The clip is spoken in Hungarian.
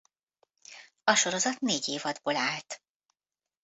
A sorozat négy évadból állt.